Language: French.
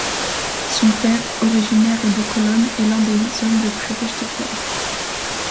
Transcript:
Son père, originaire de Cologne, est l'un des hommes les plus riches de Vienne.